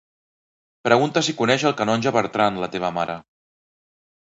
Pregunta si coneix el canonge Bertran, la teva mare.